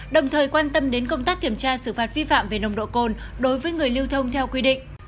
đồng thời quan tâm đến công tác kiểm tra xử phạt vi phạm về nồng độ cồn đối với người lưu thông theo quy định